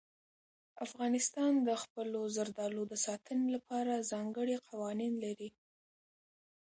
افغانستان د خپلو زردالو د ساتنې لپاره ځانګړي قوانین لري.